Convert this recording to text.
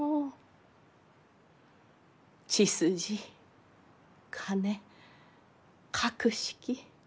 血筋金格式。